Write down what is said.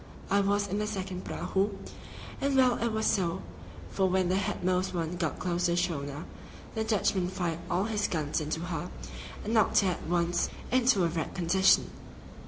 I was in the second prahu, and well it was so, for when the headmost one got close to the schooner, the Dutchman fired all his guns into her, and knocked her at once into a wrecked condition.